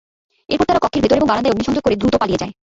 এরপর তারা কক্ষের ভেতর এবং বারান্দায় অগ্নিসংযোগ করে দ্রুত পালিয়ে যায়।